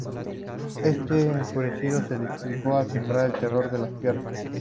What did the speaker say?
Este, enfurecido, se dedicó a sembrar el terror en las tierras.